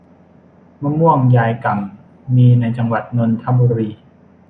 มะม่วงยายก่ำ มีในจังหวัดนนทบุรี